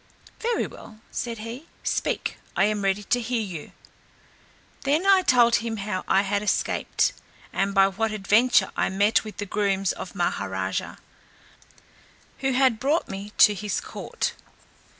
"Very well," said he, "speak, I am ready to hear you." Then I told him how I had escaped, and by what adventure I met with the grooms of Maha raja, who had brought me to his court.